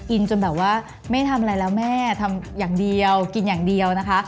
จนแบบว่าไม่ทำอะไรแล้วแม่ทำอย่างเดียวกินอย่างเดียวนะคะ